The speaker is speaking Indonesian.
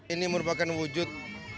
ini merupakan wujud